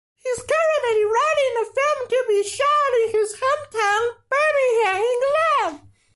He is currently writing a film to be shot in his hometown, Birmingham, England.